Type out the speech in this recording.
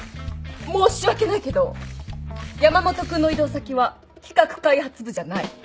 申し訳ないけど山本君の異動先は企画開発部じゃない。